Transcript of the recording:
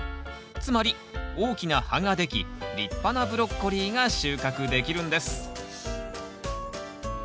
つまり大きな葉ができ立派なブロッコリーが収穫できるんです。